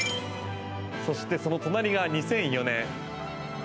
そして、その隣が２００４年。